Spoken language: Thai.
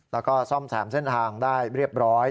แล้วก็ซ่อมแซมเส้นทางได้เรียบร้อย